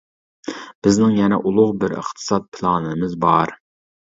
بىزنىڭ يەنە ئۇلۇغ بىر ئىقتىساد پىلانىمىز بار.